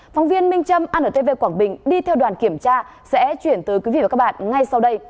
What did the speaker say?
phóng viên minh trâm antv quảng bình đi theo đoàn kiểm tra sẽ chuyển tới quý vị và các bạn ngay sau đây